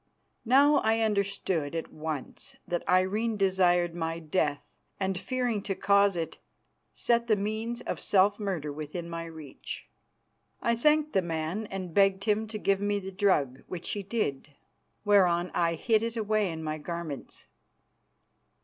Now I understood at once that Irene desired my death, and, fearing to cause it, set the means of self murder within my reach. I thanked the man and begged him to give me the drug, which he did, whereon I hid it away in my garments.